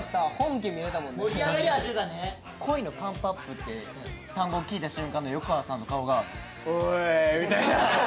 「恋のパンプアップ」って単語聞いた瞬間の横川さんの顔が「おい」みたいな。